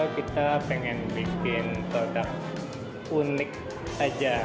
kita ingin membuat produk unik saja